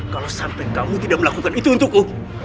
kalau sampai kamu tidak melakukan itu untukku